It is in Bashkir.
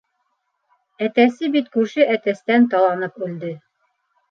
Әтәсе бит күрше әтәстән таланып үлде.